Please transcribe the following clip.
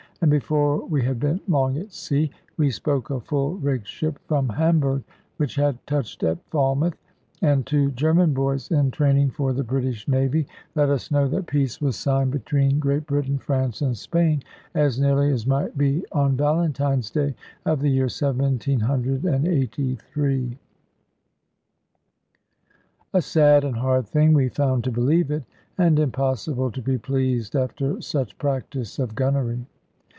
And before we had been long at sea, we spoke a full rigged ship from Hamburg, which had touched at Falmouth; and two German boys, in training for the British Navy, let us know that peace was signed between Great Britain, France, and Spain, as nearly as might be on Valentine's Day of the year 1783. A sad and hard thing we found to believe it, and impossible to be pleased after such practice of gunnery.